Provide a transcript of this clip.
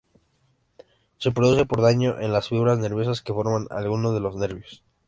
Se produce por daño en las fibras nerviosas que forman alguno de los nervios.